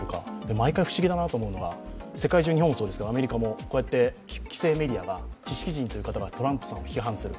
毎回不思議だなと思うのは、日本もそうですけどアメリカとかが既成メディアが、知識人という方がトランプさんを批判する。